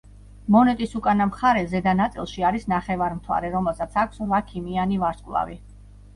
მონეტის უკანა მხარეს ზედა ნაწილში არის ნახევარმთვარე, რომელსაც აქვს რვაქიმიანი ვარსკვლავი.